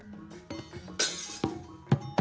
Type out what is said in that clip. ketika dikumpulkan ke kota